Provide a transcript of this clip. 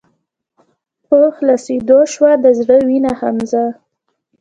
په خلاصيدو شــوه د زړه وينه حمزه